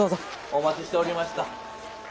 お待ちしておりました。